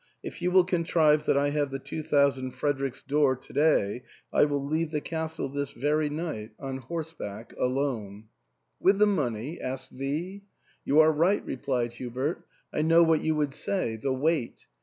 If you will con trive that I have the two thousand Fredericks ctor to day, I will leave the castle this very night — on horse THE ENTAIL. 291 back — alone." " With the money ?" asked V "You are right," replied Hubert ; "I know what you would say— the weight